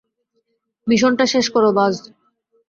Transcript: মিশনটা শেষ করো, বায!